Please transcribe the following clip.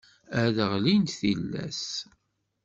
ad d-ɣellint tillas.